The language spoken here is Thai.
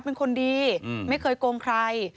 เป็นคนดีไม่เคยโกงใคร